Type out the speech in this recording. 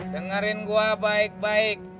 dengerin gua baik baik